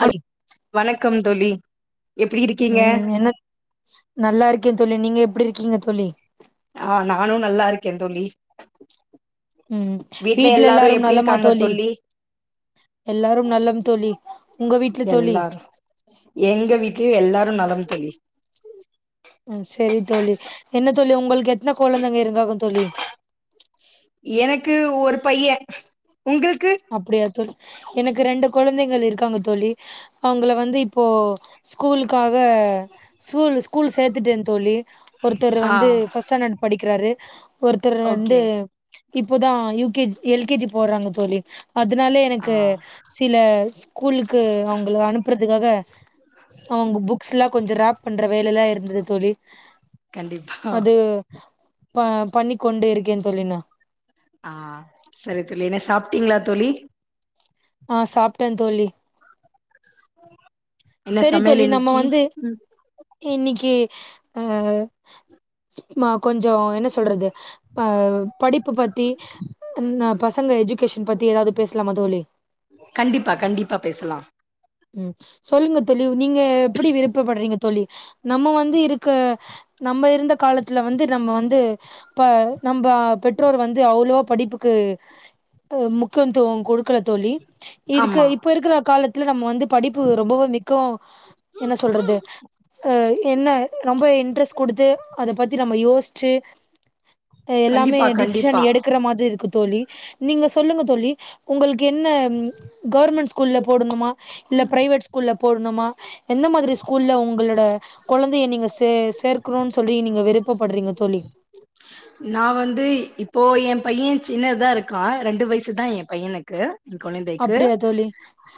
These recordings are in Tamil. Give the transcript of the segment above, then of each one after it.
பரி வணக்கம் தோளி எப்படி இருக்கீங்க ம் என்ன நல்லா இருக்கே தோளி நீங்க எப்படி இருக்கீங்க தோளி ஆ நானு நல்லா இருக்கே தோளி உம் வீட்ல வீட்டுல எல்லாரு எப்டி நலமா இருக்காங்க தோழி எல்லாரும் நலம் தோழி உங்க வீட்டுல தோழி எல்லாரு எங்க வீட்டுலையு எல்லாரு நலம் தோளி ம் சரி தோழி என்ன தோளி உங்களுக்கு எத்தனை கொழந்தைங்க இருங்காங்க தோழி எனக்கு ஒரு பைய உங்குளுக்கு அப்பிடியா தோழி எனக்கு ரெண்டு கொழந்தைகள் இருக்காங்க தோழி அவங்கள வந்து இப்போ ஸ்கூலுக்காக ஸ்கூல்லு ஸ்கூல் சேத்துட்டன் தோழி ஒருத்தர் ஆ வந்து ஃபர்ஸ்ட் ஸ்டாண்டர்ட் படிக்கிறாரு ஒருத்தர் வந்து ஓகே இப்பதா U K G L K G போறாங்க தோழி அதுனாலே ஆ எனக்கு சில ஸ்கூலுக்கு அவங்கள அனுப்புறதுக்காக அவங்க புக்ஸ்ல்லா கொஞ்சம் ரேப் பண்ற வேலல்லா இருந்தது தோழி கண்டிப்பா அது ப பண்ணிக்கொண்டே இருக்கேன் தோழி இன்னு ஆ சரி தோழி என்ன சாப்ட்டீங்ளா தோழி ஆ சாப்ட்டே தோழி என்ன செரி சமையல் தோழி நம்ம இன்னைக்கி வந்து ம் இன்னிக்கி அ நா கொஞ்சம் என்ன சொல்றது ஆ படிப்பு பத்தி ம் பசங்க எஜுகேஷன் பத்தி எதாவ்து பேசலாம தோழி கண்டிப்பா கண்டிப்பா பேசலாம் ம் சொல்லுங்க தோழி நீங்க எப்படி விருப்பப்பட்றீங்க தோழி நம்ம வந்து இருக்க நம்ப இருந்த காலத்துல வந்து நம்ம வந்து ப்ப நம்ப பெற்றோர் வந்து அவ்ளவோ படிப்புக்கு அ முக்கியத்துவம் கொடுக்கல தோழி இருக்கு ஆமா இப்ப இருக்கிற காலத் நம்ம வந்து படிப்பு ரொம்பவோ மிக்க என்ன சொல்றது என்ன ரொம்ப இன்ட்ரெஸ்ட் குடுத்து அத பத்தி நம்ம யோஸ்ச்சு எல்லாமே கண்டிப்பா டிசிஷன் கண்டிப்பா எடுக்கற மாதிரி இருக்கு தோழி நீங்க சொல்லுங்க தோழி உங்கள்க்கு என்ன ம் கவர்மெண்ட் ஸ்கூல்ல போடணுமா இல்ல பிரைவேட் ஸ்கூல்ல போடணுமா எந்த மாதிரி ஸ்கூல்ல உங்களோட கொழந்தைய நீங்க சே சேர்க்கணுன் சொல்லி நீங்க விருப்பப்பட்றீங்க தோழி நா வந்து இப்போ என் பைய சின்ன தா இருக்கா ரெண்டு வயசு தா என் பையனுக்கு என் கொழந்தைக்கு அப்டியா தோழி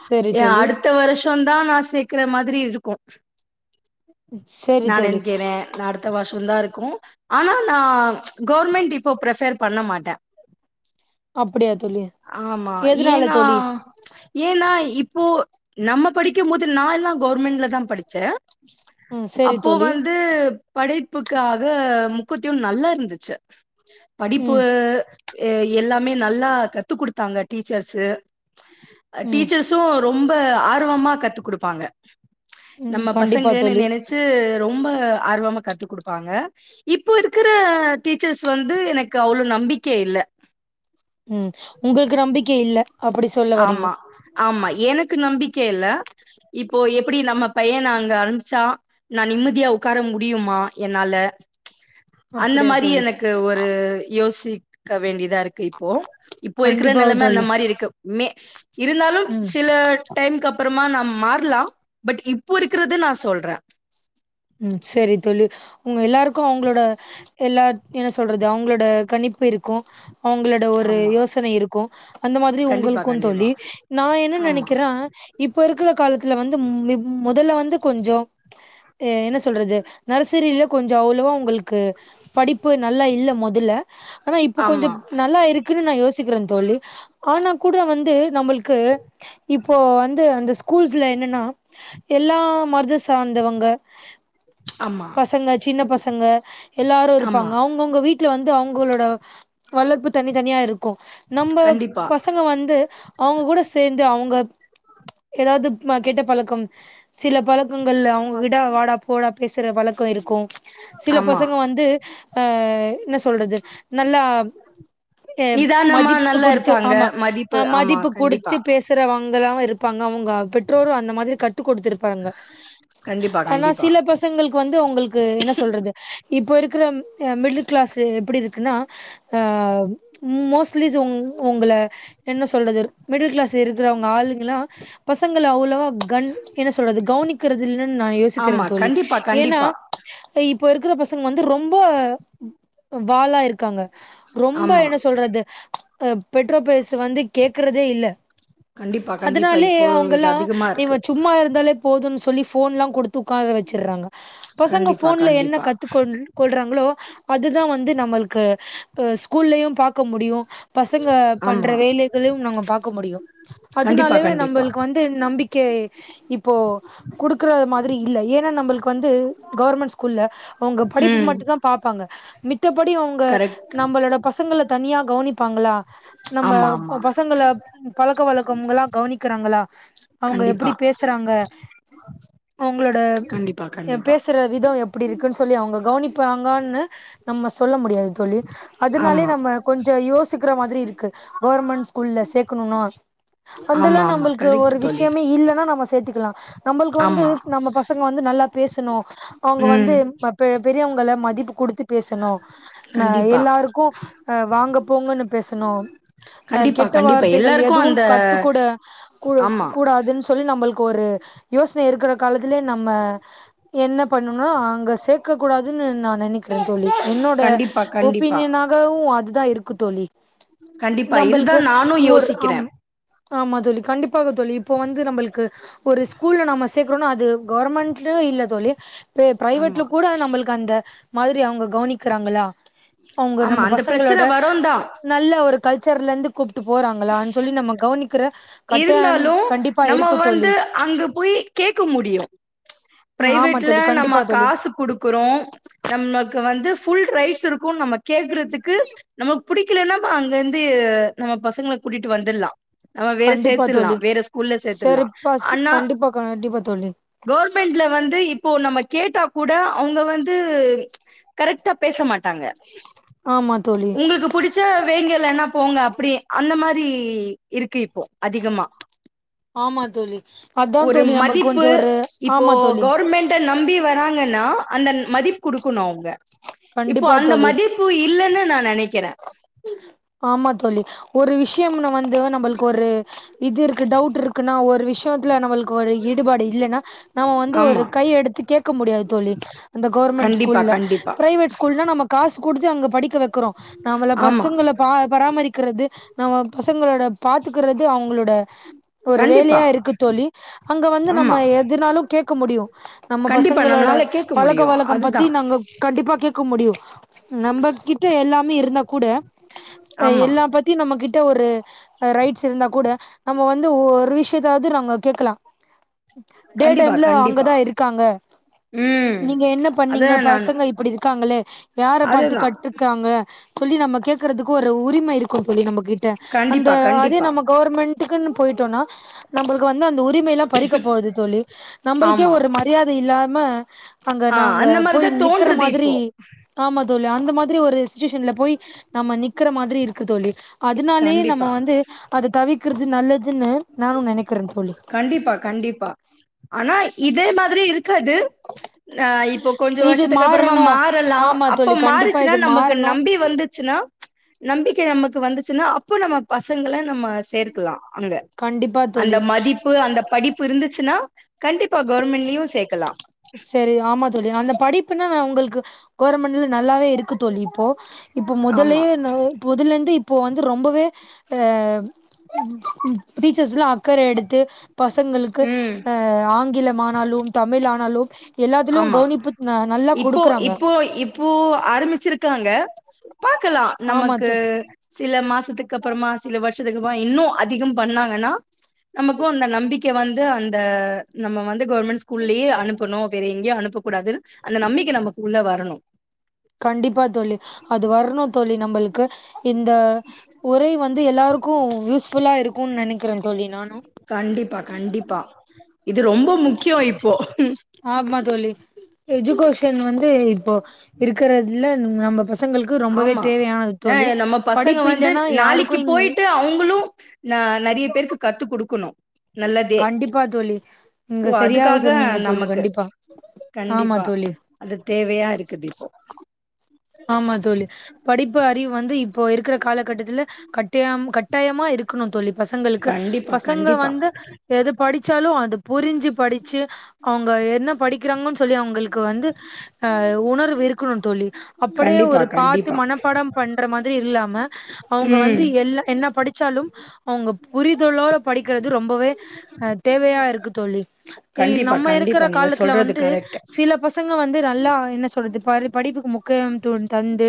செரி ஏன் தோழி அடுத் த்த வருஷம் தா நா சேக்கற மாதிரி இருக்கும் செரி நா தோழி நெனைக்கிறே நா அடுத்த வர்ஷோ தா இருக்கும் ஆனா நா கவுர்மெண்ட் இப்போ பிரஃபர் பண்ண மாட்ட அப்டியா தோழி ஆமா எதுனால ஏன்னா தோழி ஏன்னா இப்போ நம்ம படிக்கும் போது நா எல்லா கவர்மெண்ட்ல தா படிச்சே ம் செரி அப்போ தோழி வந்து படைப்புக்காக முக்குவ்த்தியும் நல்லா இருந்துச்சு படிப்பு ம் எ எல்லாமே நல்லா கத்து குடுத்தாங்க டீச்சர்ஸு அ ம் டீச்சர்ஸ் ஸூம் ரொம்ப ஆர்வமா கத்து குடுப்பாங்க ம் நம்ம கண்டிப்பா பசங்கன்னு தோழி நெனச்சு ரொம்ப ஆர்வமா கத்து குடுப்பாங்க இப்போ இருக்குற டீச்சர்ஸ் வந்து எனக்கு அவ்ளோ நம்பிக்க இல்ல ம் உங்கள்க்கு நம்பிக்க இல்ல அப்டி சொல்ல வரீங்க ஆமா ஆமா எனக்கு நம்பிக்க இல்ல இப்போ எப்பிடி நம்ம பையன அங்க அம்ச்சா நா நிம்மதியா உக்கார முடியுமா என்னால அந்த அப்டியா மாரி தோழி எனக்கு ஒரு யோசிக்க வேண்டிதாருக் கு இப்போ இப்போ இருக்குற கண்டிப்பா நெலம அந்த தோழி மாரி இருக்கு மே இருந்தாலும் ம் சில அ டைம்க்கு அப்புறமா நா மாற்லா பட் இப்போ இருக்குறது நா சொல்ற ம் செரி தோழி உங்க எல்லாருக்கு அவங்ளோட எல்லா என்ன சொல்றது அவங்ளோட கணிப்பு இருக்கு அவங்ளோட ஒரு ஆமா. யோசனை இருக்கு அந்த மாதிரி கண்டிப்பா, உங்ளுக்கு கண்டிப்பா. தோழி நா என்ன ஆமா. நெனக்கிறே இப்போ இருக்குற காலத்துல வந்து மி முதல்ல வந்து கொஞ்சோ என்ன சொல்றது நர்சரில கொஞ்ச அவ்ளோவா உங்ளுக்கு படிப்பு நல்லா இல்ல முதல்ல ஆனா இப்ப கொஞ்ச ஆமா. நல்லா இருக்குன்னு நா யோசிக்கறே தோழி ஆனா கூட வந்து நம்ளுக் க்கு இப்போ வந்து அந்த ஸ்கூ ல்ஸ்ல என்னன்னா எல்லா மத சாந்தவங்க ஆமா. ஆமா. பசங்க சின்ன பசங்க எல்லாரு ஆமா. இருப்பாங்க அவங்கவுங்க வீட் ல வந்து அவுங்களோட வளப்பு தனித்தனியா இருக்கு நம்ம கண்டிப்பா. பசங்க வந்து அவுங்க கூட சேந்து அவுங்க ஏதாவது கெட்ட பழக்கம் சில பழக்கங்கள்ல அவங்க கிட்ட வாடா போடா பேசற வழக்கோ இருக்கும் சில ஆமா. பசங்க வந்து அ என்ன சொல்றது நல்லா ஹே நிதானமா மதிப்பு நல்லா குடுத்து இருப்பாங்க ஆமா மதிப்பு அ ஆமா மதிப்பு கண்டிப்பா குடுத்து பேச றவங்கதா இருப்பாங்க அவங்க பெற்றோரு அந்த மாதிரி கத்து குடுத்துருப்பாங்க கண்டிப்பா ஆனா கண்டிப்பா சில பசங் பசங்களுக்கு வந்து உங்ளுக்கு என்ன சொல்றது இப்ப இருக்குற மிடில் கிளாஸு எப்டி இருக்குன்னா ஆ மோஸ்ட்லிஸ் ஒ ஒங்கள என்ன சொல்றது மிடில் கிளாஸ்ல இருக்குறவங்க ஆளுங்கல்லா பசங்கள அவ்ளவா கன் என்ன சொல்றது கவனிக்கறது இல்ல னு நா யோசிக்கிறே ஆமா தோழி கண்டிப்பா ஏனா கண்டிப்பா இப்ப இருக்குற பசங்க வந்து ரொம்ப வாலா இருக்காங்க ரொம்ப ஆமா என்ன சொல்றது அ பெற்றோர் பேச வந்து கேக்றதே இல்ல கண்டிப்பா கண்டிப்பா அதனாலே இப்போ இது அவங்கல்லா அதிகமா இருக்கு இவ சும்மா இருந்தாலே போதுன்னு சொல்லி ஃபோன்ல்லா குடுத்து உக்கார வெச்சர்றாங்க பசங்க கண்டிப்பா ஃபோன்ல என்ன கண்டிப்பா கத்துக்கொ ள்றாங்களோ அதுதா வந்து நம்மளுக்கு ஸ்கூல்லயு பாக்க முடியு பசங்க பண்ற ஆமா வேலைகளையு நாங்க பாக்க முடியு கண்டிப்பா அதனாலயே கண்டிப்பா நம்மளுக்கு வந்து நம்பிக்கை இப்போ குடுக்குற மாதிரி இல்ல ஏனா நம்ளுக்கு வந்து கவர்மெண்ட் ஸ்கூல்ல அவங்க படிப்பு ம் மட்டும்தா பாப்பாங்க மித்தபடி அவுங்க கரெக்ட் நம்மளோட பசங்கள தனியா கவனிப்பாங்களா நம்ம ஆமா ஆமா பசங்கள பழக்க வழக்கவங்கலா கவனிக்குறாங்களா அவங்க எப்டி கண்டிப்பா பேசுறாங்க அவுங்களோட கண்டிப்பா எ கண்டிப்பா பேசுற விதம் எப்டி இருக்குன்னு சொல்லி அவங்க கவனிப்பாங்கனு நம்ம சொல்ல முடியாது தோழி அதனாலே ஆமா நம்ம கொஞ்ச யோசிக்குற மாரி இருக்கு கவர்மெண்ட் ஸ்கூல்ல சேக்கணுனா அதெல்லா ஆமா ஆமா நம்மளுக்கு கரெக்ட் ஒரு தோழி விஷயமே இல்லன்னா நாம சேத்துக்கலா நம்மளுக்கு வந்து ஆமா நம்ம பசங்க வந்து நல்லா பேசணு அவங்க வந்து ம் பெரியவங்கள மதிப்பு குடுத்து பேசணு நா கண்டிப்பா எல்லாருக்கு அ வாங்க போங்கன்னு பேசணு அ கண்டிப்பா கெட்ட கண்டிப்பா வார்த்தைகள் எல்லாருக்கு எதுவு அந்த கத்துக்க ஆமா கூடாதுனு சொல்னு சொல்லி நம்மளுக்கு ஒரு யோசனை இருக்கிற காலத்திலே நம்ப என்ன பண்ணுனு அங்க சேக் க கூடாதுன்னு நா நெனைக்கிறே தோழி என்னோட கண்டிப்பா கண்டிப்பா ஒபீனியனாகவு அதா இருக்கு தோழி கண்டிப்பா இதுதா நம்மளுக்கு நானு இன்னொரு யோசிக்கிறே ஆம் ஆமா தோழி கண்டிப்பாக தோழி இப்போ வந்து நம்ளுக்கு ஒரு கூல்ல நம்ம சேக்கறோன்ன அது கவர்மெண்ட்லு இல்ல தோழி ப்ரி ஆமா பிரைவேட்ல கூட நம்மள்க்கு அந்த மாதிரி அவுங்க கவுனிக்கிறாங்களா அவுங்க ஆமா நம்ம அந்த பிரச்சன பசங்களோட வருந்தா நல்ல ஒரு கல்ச்சர்லந்து கூப்ட்டு போறாங்களான் சொல்லி நம்ம கவுனிக்கிற இருந்தாலு நம்ம வந்து அங்க போயி கேக்க முடியு ம் ஆமா ப்ரைவேட்ல தோழி நம்ம கண்டிப்பா தோழி காசு குடுக் குறோ நம்மக்கு வந்து ஃபுல் ரைட்ஸ் இருக்கு நம்ம கேக்குறதுக்கு நம்மக் புடிக்கலன்னப் அங்கெந்து நம்ம பசங்கள கூட்டிட்டு வந்துல்லா நம்ம வேற கண்டிப்பா சேத்துல்லா தோழி வேற ஸ்கூல்ல சேத்துல்லா செரிப்பா சி அன்னா கண்டிப்பா கண்டிப்பா தோழி கோர்மெண்ட்ல வந்து இப்போ நம்ம கேட்டா கூட அவுங்க வந்து கரெக்டா பேச மாட்டாங்க ஆமா தோழி உங்குள்க்கு பிடிச்ச வைங்க இல்ல போங்க அப்புடி அந்த மாரி இருக்கு இப்போ அதிகமா ஆமா தோழி அதா ஒரு தோழி நம்மளுக்கு மதிப்பு கொஞ்சோ ஒரு இப்போ ஆமா தோழி கவர்மெண்ட நம்பி வராங்கன்னா அந்த மதிப் குடுக்கணு அவுங்க இப்போ கண்டிப்பா அந்த மதிப்பு இல்லன்னு நா நெனக்கிற ஆம்மா தோழி ஒரு விஷ்யம்ன்னு வந்து நம்பள்க்கு ஒரு இது இருக்கு டவுட் இர்க்குன்னா ஒரு விஷ்யத்துல நம்மள்க்கு ஒரு ஈடுபாடு இல்லென்னா நம்ம வந்து ஒரு ஆமா. கை எடுத்து கேக்க முடியாது தோழி அந்த கோர்மெண் கண்டிப்பா, ஸ்கூல்ல கண்டிப்பா. பிரைவேட் ஸ்கூல்னா நம்ம காசு குடுத்து அங்க படிக்க வெக்கிறோ நம்மள ஆமா. பசங்க ள பா பராமரிக்கிறது நம்ம பசங்களோட பாத்துக்கிறது அவுங்களோட ஒரு வேலையா கண்டிப்பா. இருக்கு தோழி அங்க வந்து நம்ம ஆமா. எதுனாலு கேக்க முடியு நம்ம கண்டிப்பா பசங்களோட நம்மளால கேட்க பழக்க முடியும். வழக்கம் பத்தி அதுதான். நாங்க கண்டிப்பா கேக்க முடியு நம்ப கிட்ட எல்லாமே இருந்தாகூட ஆமா. எல்லா பத்தி பத்தி நம்மகிட்ட ஒரு ரைட்ஸ் இருந்தா கூட நம்ம வந்து ஒரு விஷ்யத்த அதி நம்ம கேக்கலா கண்டிப்பா, டேடைம்ல கண்டிப்பா. அங்கதா இர்க்காங்க ம். நீங்க என்ன பண்ணீங்க அதான் நானும். பசங்க இப்புடி இருக்காங்களே யார் பாத்து அதுதான். கட்றுக்கறாங்க சொல்லி நம்மக் கேக்குறதுக்கு ஒரு உரிம இருக்கூ தோழி நம்பகிட்ட அந்த கண்டிப்பா, அதே கண்டிப்பா. நமக் கவுர்மெண்ட்டுக்குன்னு போயிட்டோன்னா நம்பள்க்கு வந்து அந்த உரிமை எல்லா பறிக்கபோழ்து தோழி நம்பள்க்கே ஆமா. ஒரு மரியாத இல்லாம அங்க ஆ நாங்க அந்த போய் மாரிதா நிக்கிற தோன்றுது மாதிரி இப்போ ஆம்மா தோழி அந்த மாதிரி ஒரு சிசுஷேஷன்ல போயி நம்மநிக்கிற மாதிரி இருக்கு தோழி அதனாலே நம்ம கண்டிப்பா வந்து அத தவிக்கிறது நல்லது கண்டிப்பா கண்டிப்பா அனா இதே மாதிரி இருக் கது அ இப்போ கொஞ்சொ இது வர்ஷத்துக்கு அப்பறமா மாறணு மாறல்லா ஆமா அப்போ தோழி கண்டிப்பா மாறிச்சுன்னா இது நம்பக்கு மாறணு நம்பி வந்து ச்சுனா நம்பிக்க நம்மக்கு வந்துச்சுன்னா அப்போ நம்ம பசங்கள நம்ம சேர்க்குலா அங்க கண்டிப்பா அந்த தோழி மதிப்பு அந்த படிப்பு இருந்துச்சுன்னா கண்டிப்பா கோர்மெண்ட்லியு சேக்கலா சேரி ஆம்மா தோழி அந்த படிப்புன்னா நான் உங்களுக்கு கோர்மெண்ட்ல நல்லாவே இருக்கு தோழி ப்போ இப்போ மொதல்லே ஆமா னவ் புதுலேந்து இப்போ வந்து ரொம்பவே அ ப்ரீச்சர்ஸ்லா அக்கறஎடுத்து பசங்களுக்கு ம் அ ஆங்கிலம் ஆனாலு தமிழ் ஆனாலு எல்லாத்திலயு ஆமா கவனிப்பு நல்லா இப்போ குடுக்குறாங்க இப்போ இப்போ ஆரமிச்சுருக்காங்க பாக்கலா ஆமா நம்மக்கு தோழி சில மாசத்துக்கு அப்பறமா சில வர்ஷத்துக்கு அப இன்னு அதிகம் பண்ணாங்கன்னா நமக்கூ அந்த நம்பிக்க வந்து அந்த நம்ம வந்து கோர்மண் ஸ்கூல்லியே அனுப்பணூ வேற எங்கேயோ அனுப்பக் கூடாதுன் அந்த நம்பிக்கை நமக்கு உள்ள வரணு கண்டிப்பா தோழி அது வர்ணு தோழி நம்பளுக்கு இந்த உரை வந்து எல்லாருக்கு யூஸ் ஃபுல்லா இருக்கு நெனைக்கிறே தோழி நானு கண்டிப்பா கண்டிப்பா இது ரொம்ப முக்கியொ இப்போ ஆமா தோழி எஜுகேஷன் வந்து இப்போ இருக்கறதுல நம்ம பசங்களுக்கு ரொம்பவே ஆமா தேவையானது ஏ தோழி நம்ம பசங்க படிப்பு வந்து இல்லன்னா யாருக்கு நாளைக்கி இங்க போய்ட்டு அவுங்களு ந நெறய பேருக்கு கத்து குடுக்கணு நல்லதே கண்டிப்பா தோழி சோ நீங்க சரியாக அதுக்காக சொன்னீங்க தோழி நமக்கு கண்டிப்பா ஆமா கண்டிப்பா தோழி அது தேவையா இருக்குது இப்போ ஆமா தோழி படிப்பு அறிவு வந்து இப்போ இருக்கிற கால கட்டத்துல கட்டிய க ட்டயமா இருக்கணு தோழி பசங்களுக்கு கண்டிப்பா பசங்க கண்டிப்பா வந்து எது படிச்சாலு அது புரிஞ்சு படிச்சு அவுங்க என்ன படிக்கிறாங்கன்னு சொல்லி அவுங்களுக்கு வந்து அ உணர்வு இருக்கணும்னு தோழி அப்டியே கண்டிப்பா ஒரு பாத்து கண்டிப்பா மனப்பாட பண்ற மாதிரி இல்லாம அவுங்க ம் வந்து எல்ல என்ன படிச்சாலு அவுங்க புரிதள்ளோட படிக்கிறது ரொம்பவே அ தேவையா இருக்கு தோழி ஏ கண்டிப்பா நம்ம இருக்குற கண்டிப்பா நீங்க காலத்துல சொல்றது வந்து கரெக்ட் சிலப் பசங்க வந்து நல்லா என்ன சொல்றது [unintelligible] படிப்புக்கு முக்கியத்துவோ தந்து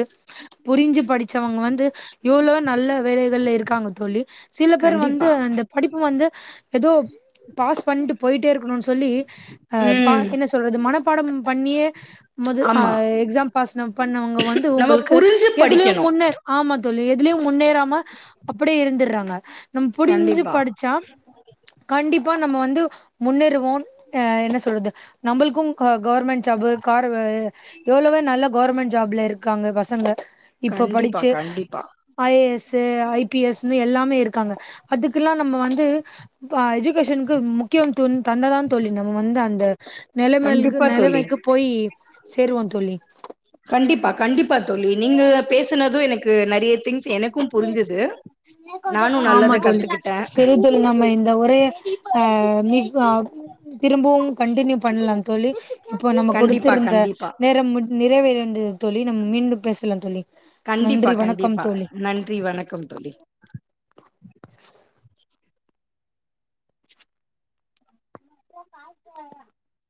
புரிஞ்சு படிச்சவங்க வந்து எவ்ளோ நல்ல வேலைகள்ல இருக்காங்க தோழி சில பேர் வந்து கண்டிப்பா அந்த படிப்பு வந்து ஏதோ பாஸ் பண்ட்டு போய்ட்டே இருக் [unintelligible] சொல்லி அ ம் பாத்து என்ன சொல்றது மனப்பாட பண்ணியே மது ஆ ஆமா எக்ஸாம் [unintelligible] பண்ணவங்க வந்து நம்ம உங்களுக்கு புரிஞ்சு எதுலயு படிக்கணு முன்னே ஆமா தோழி எதுலயு முன்னேற மா அப்டியே இருந்துறாங்க நம்ம புரிஞ்சு கண்டிப்பா படிச்சா கண்டிப்பா நம்ம வந்து முன்னேறுவோ அ என்ன சொல்றது நம்மளுக்கு க கவர்மெண்ட் ஜாப் கார் எவ்ளவோ நல்ல கவர்மெண்ட் ஜாப்ல இருக்காங்க பசங்க இப்ப கண்டிப்பா படிச்சு கண்டிப்பா I A S I P எஸ்ஸுன்னு எல்லாமே இருக்காங்க அதுக்குல்லா நம்ம வந்து ப்பா எஜுகேஷனுக்கு முக்கியத்துவ தந்த தா தோழி நம்ம வந்து அந்த நெலமக்கு கண்டிப்பா தோழி நெலைமைக்கு போய் சேருவோ தோழி கண்டிப்பா கண்டிப்பா தோழி நீங்க பேசனது எனக்கு நெறய திங்ஸ் என ஆமா நல்லத தோழி கத்துக்கிட்டே செரி தோ ழி நம்ம இந்த உரைய ஆ மிப்பு ஆ திரும்பவு கண்டினியூ பண்லா தோழி இப்ப நம்ம கொடுத்து கண்டிப்பா இருந்த கண்டிப்பா நேரமுடி நிறைவேறந்தது தோழி நம்ம மீண்டு பேசலா தோழி கண்டிப்பா நன்றி வணக்கம் கண்டிப்பா தோழி நன்றி வணக்கம் தோழி